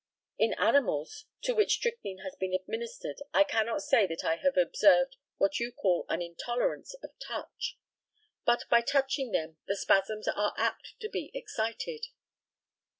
In animals to which strychnine has been administered I cannot say that I have observed what you call an intolerance of touch; but by touching them the spasms are apt to be excited.